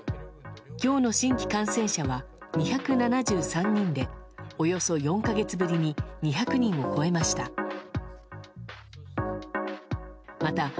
今日の新規感染者は２７３人でおよそ４か月ぶりに２００人を超えました。